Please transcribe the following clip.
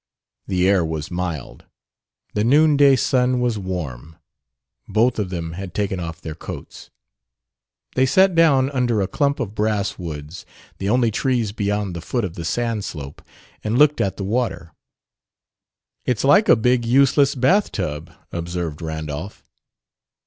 The air was mild; the noonday sun was warm; both of them had taken off their coats. They sat down under a clump of basswoods, the only trees beyond the foot of the sand slope, and looked at the water. "It's like a big, useless bathtub," observed Randolph.